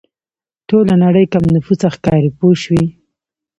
ټوله نړۍ کم نفوسه ښکاري پوه شوې!.